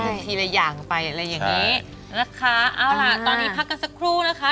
ทีละอย่างไปอะไรอย่างนี้นะคะเอาล่ะตอนนี้พักกันสักครู่นะคะ